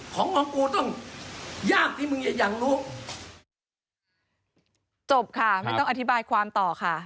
กูจะจบค่ะไม่ต้องอธิบายความต่อค่ะ